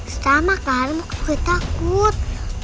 sama kadang gue takut